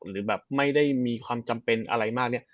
หรือแบบไม่ได้มีความจำเป็นอะไรมากเนี่ย